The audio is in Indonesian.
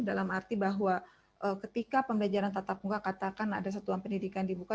dalam arti bahwa ketika pembelajaran tatap muka katakan ada satuan pendidikan dibuka